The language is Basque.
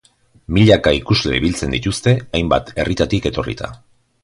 Milaka ikusle biltzen dituzte, hainbat herritatik etorrita.